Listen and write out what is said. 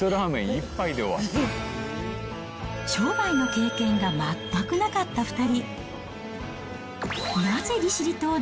商売の経験が全くなかった２人。